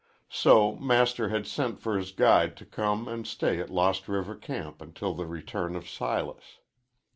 So Master had sent for his guide to come and stay at Lost River camp until the return of Silas.